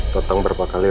tetang berapa kali